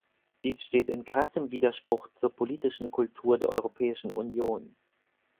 Dies steht in krassem Widerspruch zur politischen Kultur der Europäischen Union.